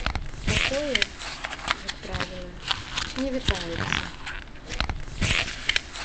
Такое, як правіла, не вітаецца.